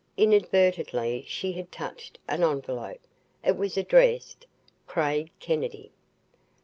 Inadvertently she had touched an envelope. It was addressed, "Craig Kennedy."